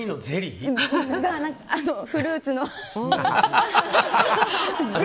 フルーツの。